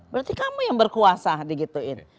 berarti kamu yang berkuasa digituin